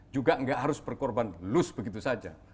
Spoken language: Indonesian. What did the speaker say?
juga nggak harus berkorban lus begitu saja